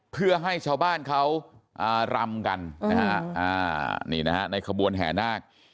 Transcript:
เพื่อให้ชาวบ้านเขารำกันนะฮะนี่นะฮะในขบวนแห่นาค